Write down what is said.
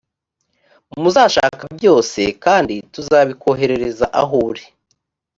muzashaka byose kandi tuzabikoherereza aho uri